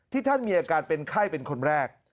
ท่านมีอาการเป็นไข้เป็นคนแรก